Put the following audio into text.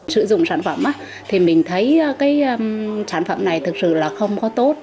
sử dụng sản phẩm thì mình thấy cái sản phẩm này thực sự là không có tốt